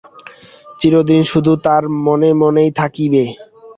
চিরদিন শুধু তার মনে মনেই থাকিবে।